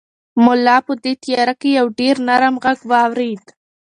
ملا په دې تیاره کې یو ډېر نرم غږ واورېد.